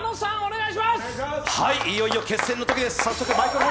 いよいよ決戦の時です。